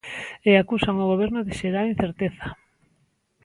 E acusan o Goberno de xerar incerteza.